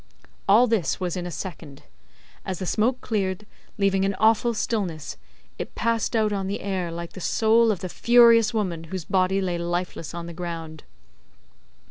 All this was in a second. As the smoke cleared, leaving an awful stillness, it passed out on the air, like the soul of the furious woman whose body lay lifeless on the ground.